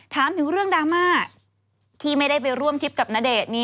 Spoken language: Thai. ถามถึงเรื่องดราม่าที่ไม่ได้ไปร่วมทริปกับณเดชน์